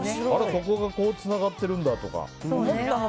ここがこうつながっているんだとか。